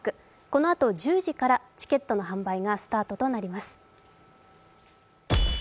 このあと１０時からチケットの販売がスタートとなります。